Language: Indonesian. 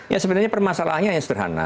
ya sebenarnya permasalahannya yang sederhana